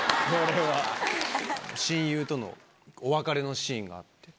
親友とのお別れのシーンがあって。